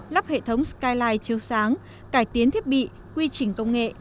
lắp hệ thống skyline chiếu sáng cải tiến thiết bị quy trình công nghệ